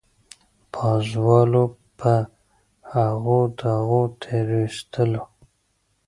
پازوالو په هغو دغو تېرېستلو.